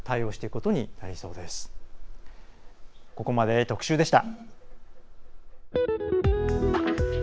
ここまで、特集でした。